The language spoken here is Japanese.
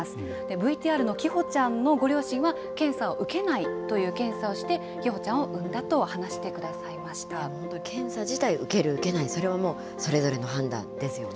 ＶＴＲの希帆ちゃんのご両親は、検査を受けないという決断をして、希帆ちゃんを産んだと話してくだ検査自体、受ける、受けない、それはもうそれぞれの判断ですよね。